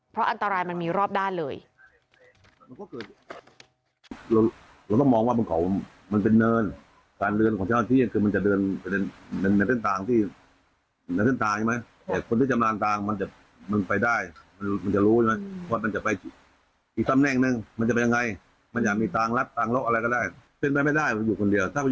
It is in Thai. เพราะอันตรายมันมีรอบด้านเลย